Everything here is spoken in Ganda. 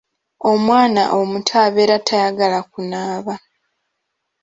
Omwana omuto abeera tayagala kunaaba.